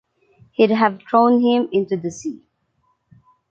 He’d have thrown him into the sea.